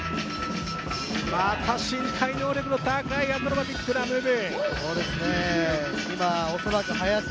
また身体能力の高いアクロバティックなムーブ！